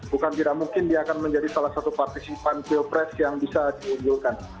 bukan tidak mungkin dia akan menjadi salah satu partisipan pilpres yang bisa diunjulkan